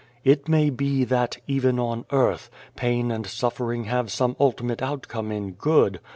" It may be that, even on earth, pain and suffering have some ultimate outcome in good.